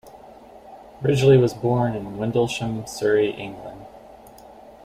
Ridgeley was born in Windlesham, Surrey, England.